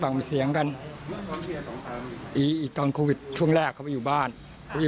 แล้วได้เจอหน้าลูกพ่อใครหรือยัง